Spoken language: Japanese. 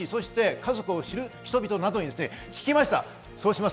家族を知る人々などに聞きました。